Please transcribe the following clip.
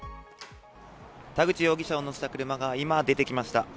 田口容疑者を乗せた車が今、出てきました。